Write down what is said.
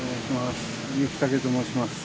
雪竹と申します。